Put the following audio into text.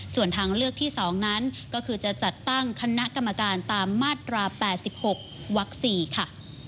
ส่วนทางเลือกที่๒นั้นก็คือจะจัดตั้งคณะกรรมการตามมาตรา๘๖วัก๔ค่ะ